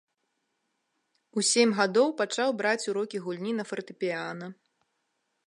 У сем гадоў пачаў браць урокі гульні на фартэпіяна.